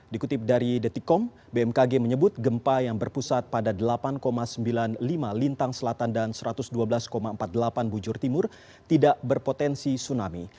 dikutip dari detikom bmkg menyebut gempa yang berpusat pada delapan sembilan puluh lima lintang selatan dan satu ratus dua belas empat puluh delapan bujur timur tidak berpotensi tsunami